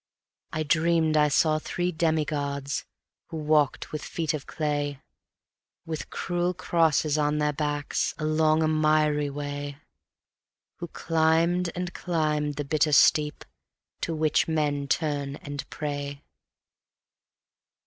I dreamed I saw three demi gods who walked with feet of clay, With cruel crosses on their backs, along a miry way; Who climbed and climbed the bitter steep to which men turn and pray.